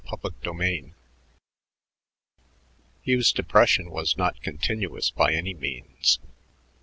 CHAPTER XVII Hugh's depression was not continuous by any means.